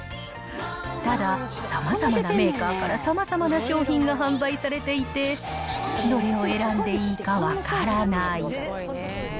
ただ、さまざまなメーカーからさまざまな商品が販売されていて、どれを選んでいいか分からない。